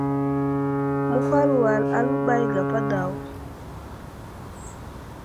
Mehwal wal aləɓay gapa daw.